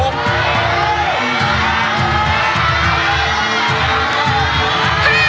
๕ค่ะ